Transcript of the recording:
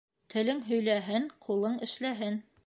Телең һөйләһен, ҡулың эшләһен.